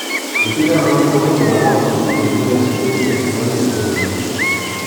Il est également diplômé de la Wharton School de l'Université de Pennsylvanie aux États-Unis.